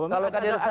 kalau kaderisasi ya